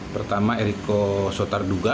pertama eriko sotarduga